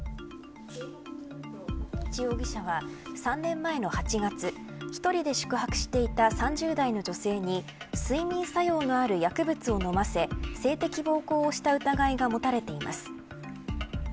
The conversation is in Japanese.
武内容疑者は３年前の８月一人で宿泊していた３０代の女性に睡眠作用のある薬物を飲ませ性的暴行をした疑いが持たれています。